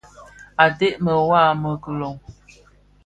Ated bi mewaa më kiloň,